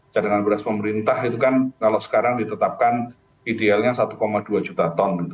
cadangan beras pemerintah itu kan kalau sekarang ditetapkan idealnya satu dua juta ton